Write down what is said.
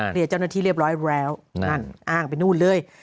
เรียกเจ้าหน้าที่เรียบร้อยแล้วนั่นอ้างไปนู่นเลย